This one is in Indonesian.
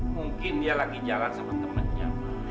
mungkin dia lagi jalan sama temennya